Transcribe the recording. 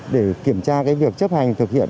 để kiểm tra cái việc chấp hành thực hiện